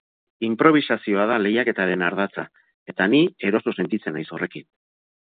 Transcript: Inprobisazioa da lehiaketaren ardatza eta ni eroso sentitzen naiz horrekin.